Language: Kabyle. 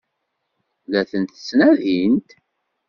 La tent-ttnadint?